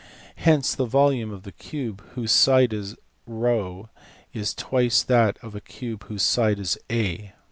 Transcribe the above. Hence the volume of the cube whose side is p is twice that of a cube whose side is a.